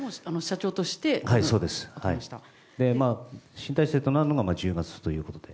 新体制となるのが１０月ということで。